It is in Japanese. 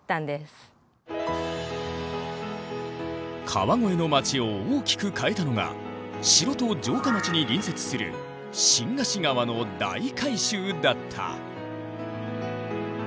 川越の町を大きく変えたのが城と城下町に隣接する新河岸川の大改修だった。